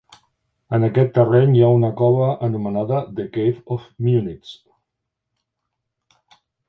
En aquest terreny hi ha una cova anomenada "The Cave of Munits".